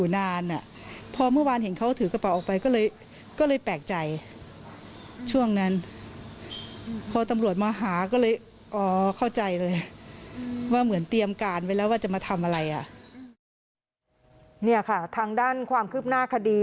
นี่ค่ะทางด้านความคืบหน้าคดี